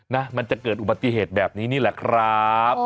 มันจะเกิดอุบัติเหตุแบบนี้นี่แหละครับ